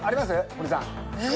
堀さん。